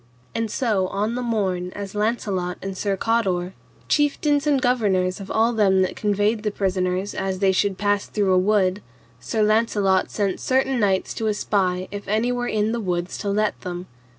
And so on the morn as Launcelot and Sir Cador, chieftains and governors of all them that conveyed the prisoners, as they should pass through a wood, Sir Launcelot sent certain knights to espy if any were in the woods to let them.